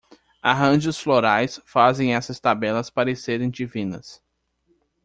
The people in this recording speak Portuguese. Arranjos florais fazem essas tabelas parecerem divinas.